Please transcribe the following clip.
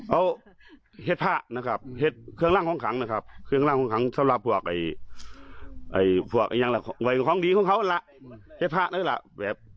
เอาเห็ดผ้านะครับเห็ดเครื่องรางของขังนะครับเครื่องรางของขังสำหรับพวกไอ้ไอ้พวกยังละไว้ของดีของเขาอันละเห็ดผ้าด้วยละแบบ